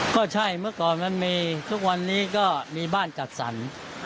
ก็ใช่เมื่อก่อนมันมีทุกวันนี้ก็มีบ้านจัดสรร